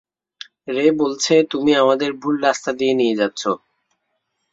রে বলছে তুমি আমাদের ভুল রাস্তা দিয়ে নিয়ে যাচ্ছ।